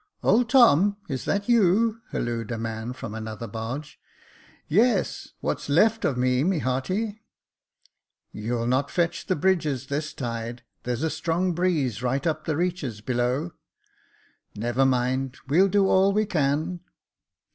" Old Tom, is that you ?" hallooed a man from another barge. " Yes ; what's left of me, my hearty." *' You'll not fetch the bridges this tide — there's a strong breeze right up the reaches below." " Never mind, we'll do all we can.